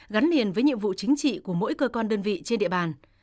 gắn liền với nhiệm vụ chính trị của mỗi cơ quan đơn vị trên địa bàn